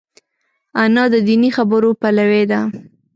انا د دیني خبرو پلوي ده